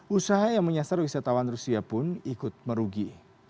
usaha yang menyasar wisatawan rusia pun ikut merugi